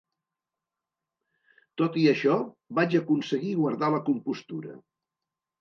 Tot i això, vaig aconseguir guardar la compostura.